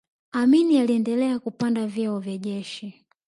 amin aliendelea kupanda vyeo vya jeshi